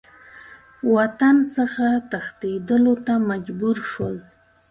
وطن څخه تښتېدلو ته مجبور شول.